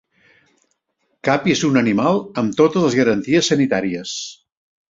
Capis un animal amb totes les garanties sanitàries.